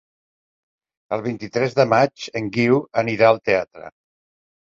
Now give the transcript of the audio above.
El vint-i-tres de maig en Guiu anirà al teatre.